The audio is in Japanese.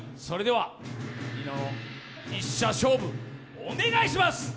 それではニノの１射勝負お願いします。